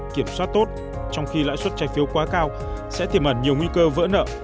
kiểm soát tốt trong khi lãi suất trái phiếu quá cao sẽ tiềm ẩn nhiều nguy cơ vỡ nợ